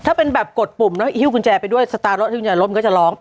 ถ้าเป็นแบบกดปุ่มหิ้วกุญแจไปด้วยสตาร์ทรถจากที่จะล้อง